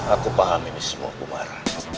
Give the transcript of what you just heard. aku paham ini semua umar